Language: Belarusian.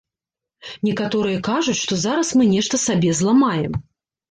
Некаторыя кажуць, што зараз мы нешта сабе зламаем.